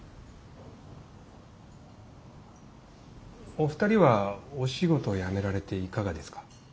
お二人はお仕事辞められていかがですか？